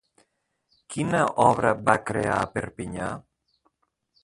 Quina obra va crear a Perpinyà?